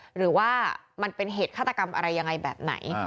หรือว่ามันเป็นเหตุฆาตกรรมอะไรยังไงแบบไหน